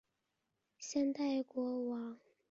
先代国王舜马顺熙之子。